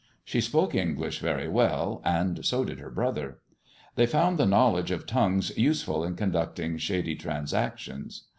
She spoke English very well, and so did her brother. They found the knowledge of tongues useful in conducting shady transactions.